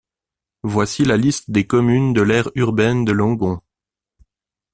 Voici la liste des communes de l'aire urbaine de Langon.